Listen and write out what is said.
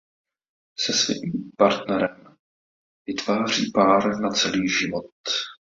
Se svým partnerem vytváří pár na celý život.